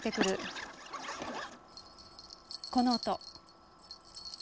この音。